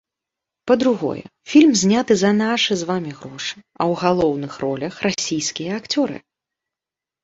Па-другое, фільм зняты за нашы з вамі грошы, а ў галоўных ролях расійскія акцёры.